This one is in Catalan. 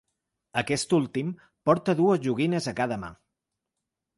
Aquest últim, porta dues joguines a cada mà.